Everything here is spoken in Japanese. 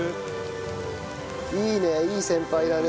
いいねいい先輩だね。